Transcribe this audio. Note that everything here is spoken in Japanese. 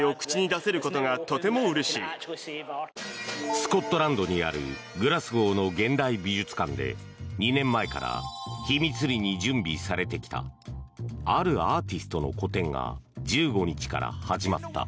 スコットランドにあるグラスゴーの現代美術館で２年前から秘密裏に準備されてきたあるアーティストの個展が１５日から始まった。